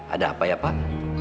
ada apa ya pak